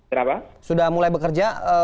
kenapa sudah mulai bekerja